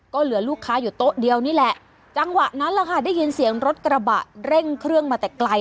ก็เหลือลูกค้าอยู่โต๊ะเดียวนี่แหละจังหวะนั้นแหละค่ะได้ยินเสียงรถกระบะเร่งเครื่องมาแต่ไกล